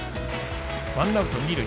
ワンアウト、二塁。